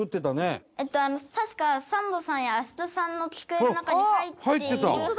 確かサンドさんや芦田さんの机の中に入っているはずなんだけれど。